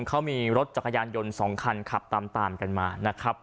เขามีรถจักรยานยนต์๒คันขับตามกันมานะครับ